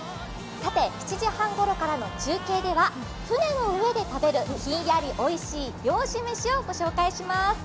７時半ごろからの中継では船の上で食べるひんやりおいしい漁師飯をご紹介します。